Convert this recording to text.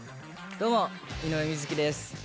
どうも井上瑞稀です。